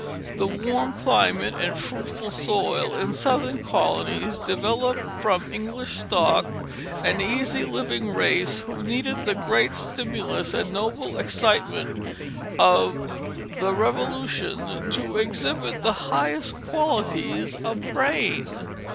The warm climate and fruitful soil in the southern colonies developed from English stock an easy living race who needed the great stimulus and noble excitement of the Revolution to exhibit the highest qualities of brain.